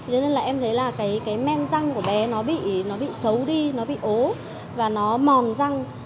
thế nên là em thấy là cái men răng của bé nó bị xấu đi nó bị ố và nó mòn răng